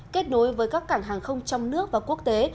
kết nối với các cảng hàng không trong nước và quốc tế